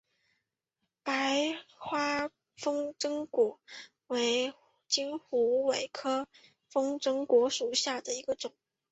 白花风筝果为金虎尾科风筝果属下的一个种。